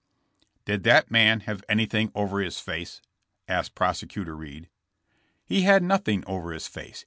''Did that man have anything over his face?" asked Prosecutor Reed. He had nothing over his face.